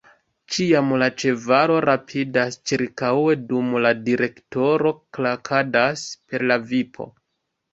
Ĉiam la ĉevalo rapidas ĉirkaŭe, dum la direktoro klakadas per la vipo.